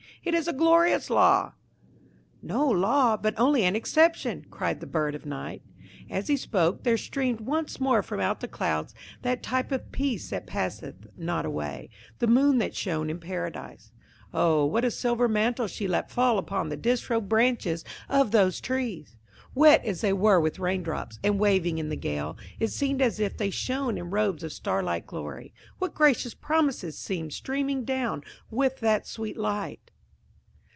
It is a glorious law." "No law, but only an exception," cried the Bird of Night. And as he spoke there streamed once more from out the clouds that type of peace that passeth not away–the moon that shone in Paradise. Oh, what a silver mantle she let fall upon the disrobed branches of those trees! Wet as they were with rain drops, and waving in the gale, it seemed as if they shone in robes of starlight glory. What gracious promises seemed streaming down with that sweet light!